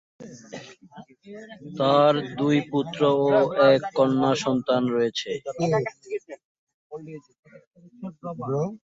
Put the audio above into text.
তার দুই পুত্র ও এক কন্যা সন্তান রয়েছে।